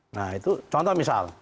nah itu contoh misal